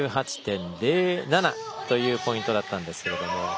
６８．０７というポイントだったんですけども。